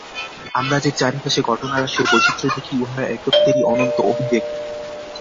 আমরা যে চারি পাশে ঘটনারাশির বৈচিত্র্য দেখি, উহারা একত্বেরই অনন্ত অভিব্যক্তি।